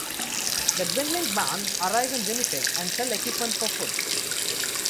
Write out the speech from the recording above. The dwindling band arrive in Winnipeg and sell equipment for food.